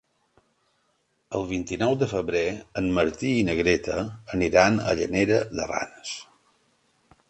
El vint-i-nou de febrer en Martí i na Greta aniran a Llanera de Ranes.